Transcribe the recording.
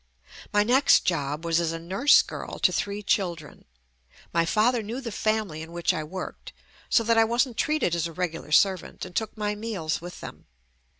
My next job was as a nurse girl to three children. My father knew the family in which I worked, so that I wasn't treated as a regular servant and took my meals with them.